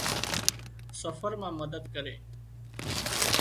سفر مان مدد ڪري۔